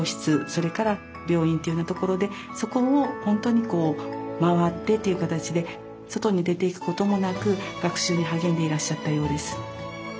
それから病院というふうなところでそこをほんとに回ってっていう形で外に出ていくこともなく学習に励んでいらっしゃったようです。